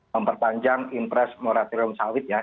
memperpanjang impres moratorium sawit ya